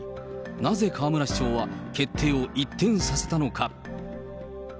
なぜ河村市長は、決定を一転させたのか。